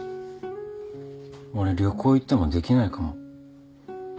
俺旅行行ってもできないかも。